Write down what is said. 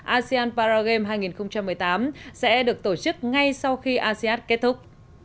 asean paragame hai nghìn một mươi tám sẽ được tổ chức ngay sau khi asean kết thúc